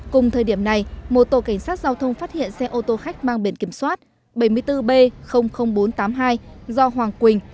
cùng thời điểm này một tổ cảnh sát giao thông phát hiện xe ô tô khách mang biển kiểm soát bảy mươi bốn b bốn trăm tám mươi hai do hoàng quỳnh